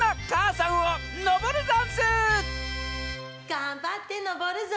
がんばってのぼるぞ！